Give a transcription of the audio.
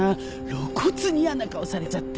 露骨にやな顔されちゃって。